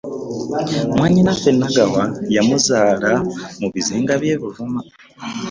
Mwannyinaffe Nagawa yamuzaala mu bizinga by'e Buvuma.